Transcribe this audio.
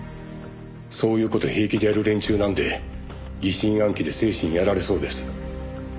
「そういう事平気でやる連中なんで疑心暗鬼で精神やられそうです」